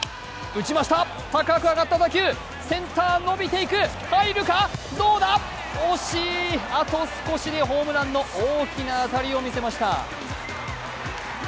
打ちました、高く上がった打球、センター伸びていく、入るかどうか、、惜しい、あと少しでホームランの大きな当たりを見せました。